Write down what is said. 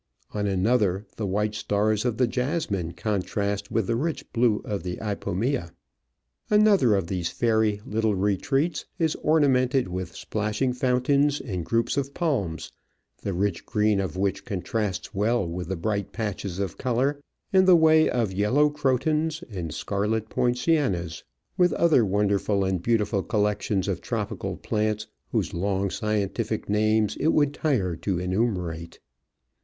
On another the white stars of the jasmine contrast with the rich blue of the ipomea. Another of these fairy little retreats is ornamented with splashing fountains and groups of palms, the rich green of which contrasts well with the bright patches of colour in the way of yellow crotons and scarlet poncianas, with other wonderful and beautiful collections of tropical plants whose long scientific names it would tire to enumerate.